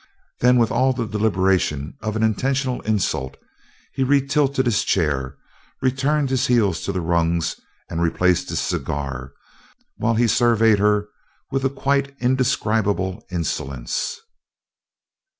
Then, with all the deliberation of an intentional insult he retilted his chair, returned his heels to the rungs and replaced his cigar while he surveyed her with a quite indescribable insolence.